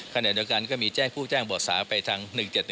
ขณะเดียวกันก็มีแจ้งผู้แจ้งบ่อสาไปทาง๑๗๑